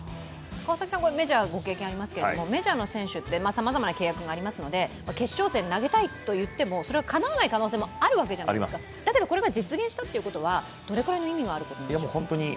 川崎さんはメジャーご経験ありますけれども、メジャーの選手ってさまざまな契約がありますので決勝戦、投げたいと言ってもそれはかなわない可能性もあるわけじゃないですか、ですがこれが実現したというのはどんな意味があるんですか？